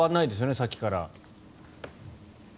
さっきから。